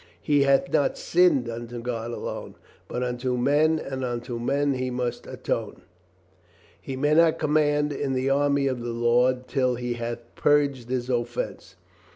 He hath not sinned unto God alone, but unto men and unto men he must atone. ... He may not command in the army of the Lord till he hath purged his offense.